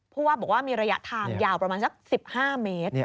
พูดว่ามีระยะทางยาวประมาณสัก๑๕เมตร